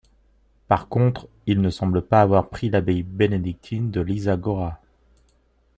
Par contre, ils ne semblent pas avoir pris l'abbaye bénédictine de Lysa Góra.